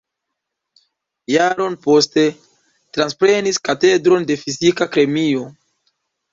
Jaron poste transprenis Katedron de Fizika Kemio.